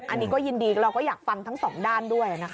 อันนี้ก็ยินดีเราก็อยากฟังทั้งสองด้านด้วยนะคะ